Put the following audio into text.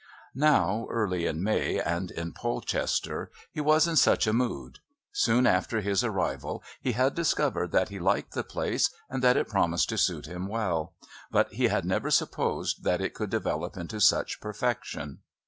Now, early in May and in Polchester he was in such a mood. Soon after his arrival he had discovered that he liked the place and that it promised to suit him well, but he had never supposed that it could develop into such perfection.